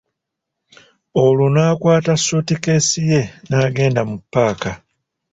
Olwo n'akwata suutikeesi ye n'agenda mu paaka.